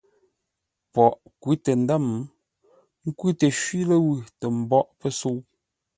Poghʼ kwʉ́ tə ndə̌m, kwʉ́ təshwi ləwʉ̂, tə mbóʼ pəsə̌u.